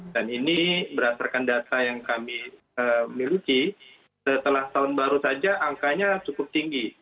dan ini berdasarkan data yang kami miliki setelah tahun baru saja angkanya cukup tinggi